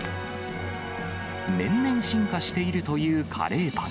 年々進化しているというカレーパン。